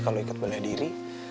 kalo ikut bela diri